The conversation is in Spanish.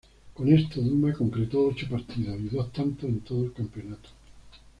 Con esto, Duma concretó ocho partidos y dos tantos en todo el campeonato.